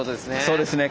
そうですね。